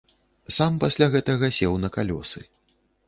Сам пасля гэтага сеў на калёсы.